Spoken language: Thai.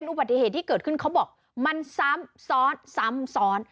อุบัติเหตุที่เกิดขึ้นเขาบอกมันซ้ำซ้อนซ้ำซ้อน